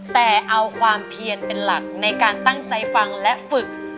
แต่เอาความเพียนเป็นหลักในการตั้งใจฟังและฝึก